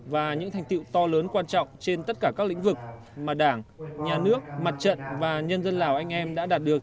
và những thành tiệu to lớn quan trọng trên tất cả các lĩnh vực mà đảng nhà nước mặt trận và nhân dân lào anh em đã đạt được